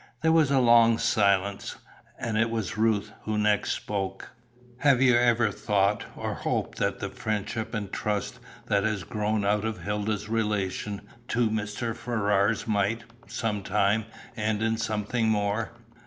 There was a long silence, and it was Ruth who next spoke. "Have you ever thought, or hoped, that the friendship and trust that has grown out of Hilda's relation to Mr. Ferrars might, sometime, end in something more?"